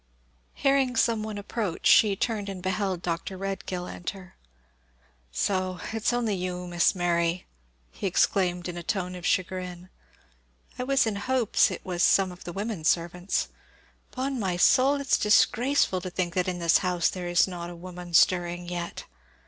Hearing some one approach, she turned and beheld Dr. Redgill enter. "So it's only you, Miss Mary!" exclaimed he in a tone of chagrin. "I was in hopes it was some of the women servants. 'Pon my soul, it's disgraceful to think that in this house there is not a woman stirring yet!